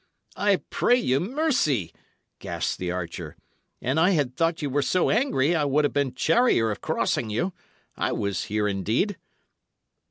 "I pray you mercy!" gasped the archer. "An I had thought ye were so angry I would 'a' been charier of crossing you. I was here indeed."